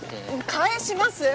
返します！